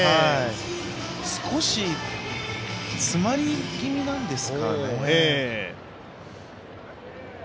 少しつまり気味なんですかね。